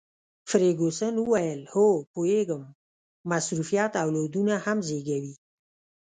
فرګوسن وویل: هو، پوهیږم، مصروفیت اولادونه هم زیږوي.